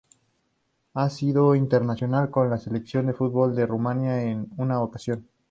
Ha sido internacional con la Selección de fútbol de Rumania en una ocasión.